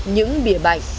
những bỉa bạch